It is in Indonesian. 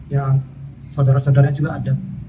ya saudara saudara juga ada